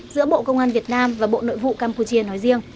giữa bộ công an việt nam và bộ nội vụ campuchia nói riêng